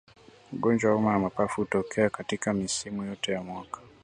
Ugonjwa wa homa ya mapafu hutokea katika misimu yote ya mwaka